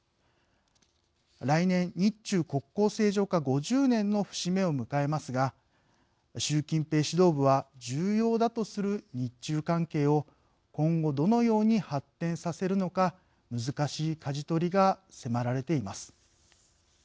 来年、日中国交正常化５０年の節目を迎えますが習近平指導部は重要だとする日中関係を今後、どのように発展させるのか難しいかじ取りが迫られています。